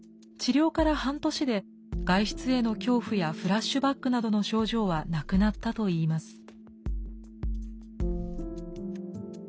治療から半年で外出への恐怖やフラッシュバックなどの症状はなくなったといいます。